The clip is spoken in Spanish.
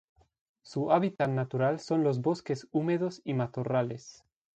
Su hábitat natural son los bosques húmedos y matorrales.